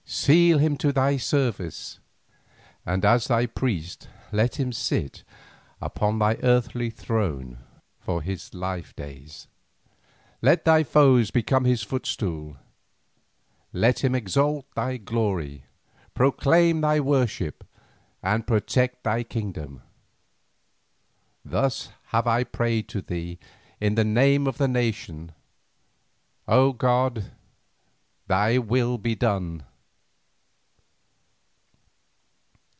Seal him to thy service, and as thy priest let him sit upon thy earthly throne for his life days. Let thy foes become his footstool, let him exalt thy glory, proclaim thy worship, and protect thy kingdom. Thus have I prayed to thee in the name of the nation. O god, thy will be done!"